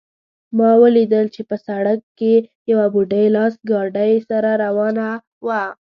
ما ولیدل چې په سړک کې یوه بوډۍ لاس ګاډۍ سره روانه وه